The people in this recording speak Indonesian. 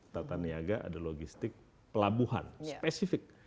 tata niaga ada logistik pelabuhan spesifik